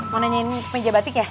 mau nanyain meja batik ya